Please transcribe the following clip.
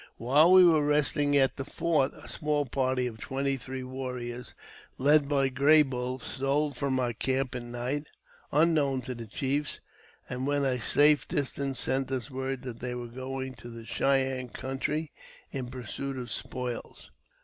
While we were resting at the fort, a small party of twenty three warriors, led by Little Gray Bull, stole from our camp at night, unknown to the chiefs, and when at a safe distance sent us word that they were going to the Cheyenne country in pursuit of spoils.